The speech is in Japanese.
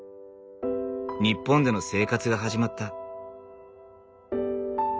日本での生活が始まった。